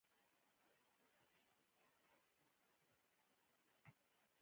د بزګانو د اړتیاوو پوره کولو لپاره ځانګړي اقدامات کېږي.